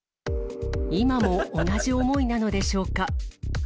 今も同じ思いなのでしょうか。